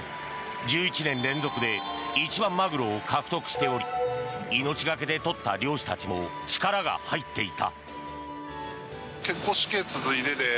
１１年連続で一番マグロを獲得しており命がけで取った漁師たちも力が入っていた。